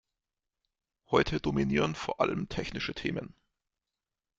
Heute dominieren vor allem technische Themen.